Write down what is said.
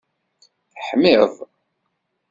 Teḥmiḍ!